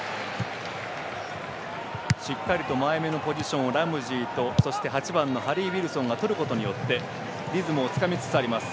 しっかりと前めのポジションをラムジーと８番のハリー・ウィルソンがとることによってリズムをつかみつつあります